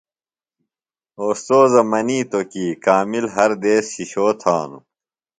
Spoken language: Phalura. اوستوذہ منیتوۡ کی کامل ہر دیس شِشو تھانوۡ۔